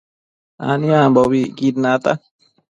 aniambocquid nata